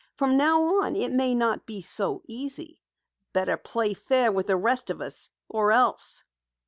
From now on it may not be so easy. Better play fair with the rest of us or else."